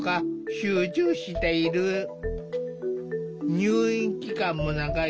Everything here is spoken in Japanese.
入院期間も長い。